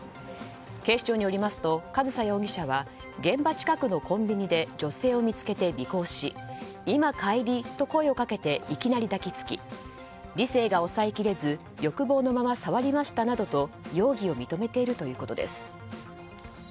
警視庁によりますと上総容疑者は現場近くのコンビニで女性を見つけて尾行し今帰り？と声をかけていきなり抱き付き理性が抑えきれず欲望のまま触りましたなどと容疑を認めているということです。